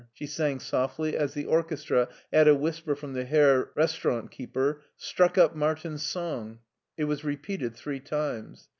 she sang softly, as the orchestra, at a whisper from the Herr Restaurantkeeper, struck up Martin's song. It was repeated three times.